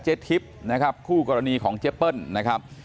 เจ็ดทริปนะครับคู่กรณีของเจ๊เปิ้ลนะครับ